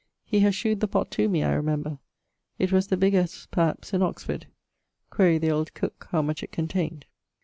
He has shewed the pott to me, I remember. It was the biggest, perhaps, in Oxford: quaere the old cooke how much it contayned.